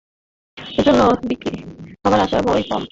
এজন্য বিক্রী হবার আশা বড়ই কম।